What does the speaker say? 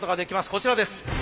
こちらです。